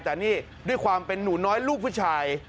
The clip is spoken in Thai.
แต่นี่ด้วยความเป็นหนูน้อยลูกผู้ชาย